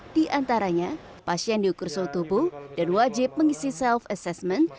di antaranya pasien diukur suhu tubuh dan wajib mengisi self assessment